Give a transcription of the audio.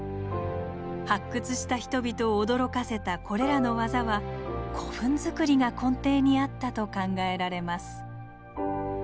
発掘した人々を驚かせたこれらの技は古墳づくりが根底にあったと考えられます。